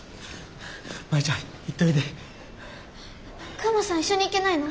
クマさん一緒に行けないの？